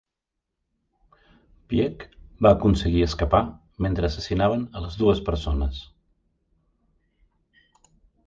Pieck va aconseguir escapar mentre assassinaven a les dues persones.